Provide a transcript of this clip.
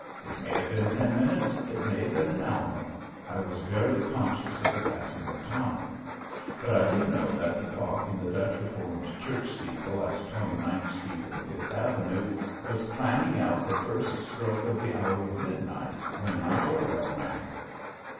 It may have been ten minutes; it may have been an hour I was barely conscious of the passing of time but I do know that the clock in the Dutch Reformed Church steeple at Twenty ninth Street and Fifth Avenue was clanging out the first stroke of the hour of midnight when my door bell rang.